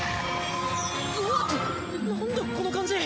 うわなんだこの感じ！？